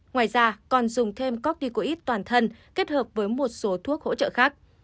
ngoài ra còn dùng thêm corticoid toàn thân kết hợp với một số thuốc hỗ trợ khác